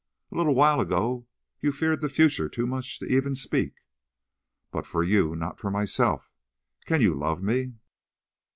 "A little while ago you feared the future too much to even speak." "But for you; not for myself. Can you love me?"